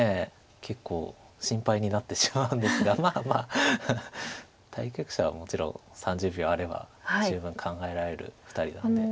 結構心配になってしまうんですがまあまあ対局者はもちろん３０秒あれば十分考えられる２人なので。